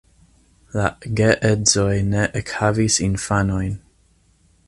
La geedzoj ne ekhavis infanojn.